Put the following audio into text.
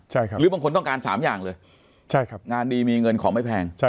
หรือบางคนต้องการสามอย่างเลยงานดีมีเงินของไม่แพง